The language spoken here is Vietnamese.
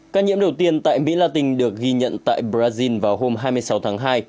ca nhiễm đầu tiên tại mỹ latin được ghi nhận tại brazil vào hôm hai mươi sáu tháng hai